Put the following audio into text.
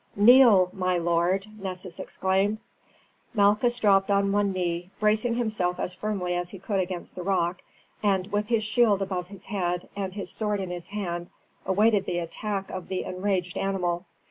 "Kneel, my lord!" Nessus exclaimed. Malchus dropped on one knee, bracing himself as firmly as he could against the rock, and, with his shield above his head and his sword in his hand, awaited the attack of the enraged animal.